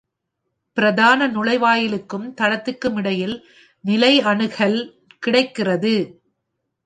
பிரதான நுழைவாயிலுக்கும் தளத்திற்கும் இடையில் நிலை அணுகல் கிடைக்கிறது.